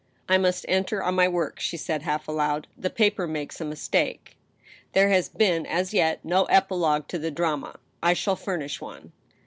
" I must enter on my work," she said, half aloud. " The paper makes a mistake. There has been as yet no epilogue to the drama. I shall furnish one."